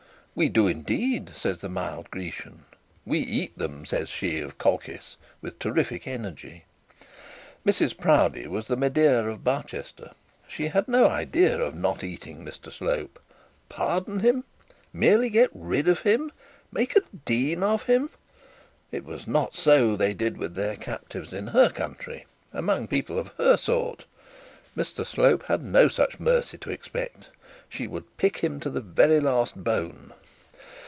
'We do indeed,' says the mild Grecian. 'We eat them!' says she of Colchis, with terrible energy. Mrs Proudie was the Medea of Barchester; she had no idea of not eating Mr Slope. Pardon him! merely get rid of him! make a dean of him! It was not so they did with their captives in her country, among people of her sort! Mr Slope had no such mercy to expect; she would pick him to the very last bone.